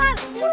mbak mbak mbak